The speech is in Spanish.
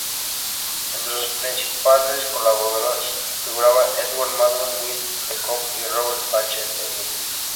Entre sus principales colaboradores figuraban Edward Madden, Will D. Cobb, y Robert Bache Smith.